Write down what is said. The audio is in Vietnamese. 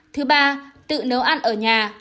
thứ ba tự nấu ăn ở nhà